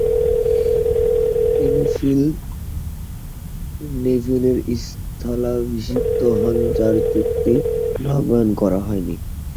তিনি ফিল নেভিনের স্থলাভিষিক্ত হন, যার চুক্তি নবায়ন করা হয়নি।